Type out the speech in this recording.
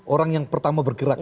orang yang pertama bergerak